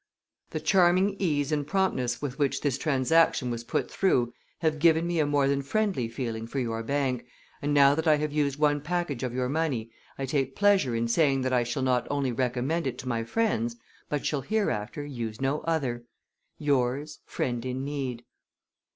The charming ease and promptness with which this transaction was put through have given me a more than friendly feeling for your bank, and now that I have used one package of your money I take pleasure in saying that I shall not only recommend it to my friends, but shall hereafter use no other. Cordially yours, A FRIEND IN NEED.